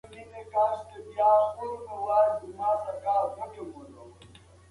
موږ پرون یوه علمي ویډیو وکتله.